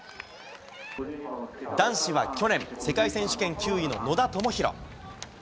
男子は去年、世界選手権９位の野田明宏。